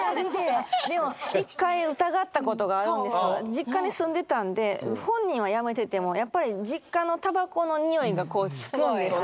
実家に住んでたんで本人はやめててもやっぱり実家のタバコの臭いがこうつくんですよね。